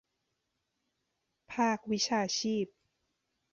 ภาควิชาชีพ